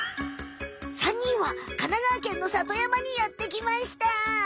３にんは神奈川県のさとやまにやってきました。